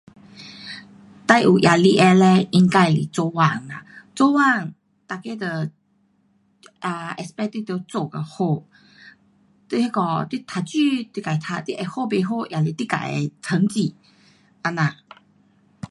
最有压力的嘞应该是做工啊。做工每个都 [um]expect 你得做得好。你那下你读书你自读，你会好不好也是你自己的成绩。这样。